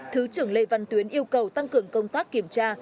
thứ trưởng lê văn tuyến yêu cầu tăng cường công tác kiểm tra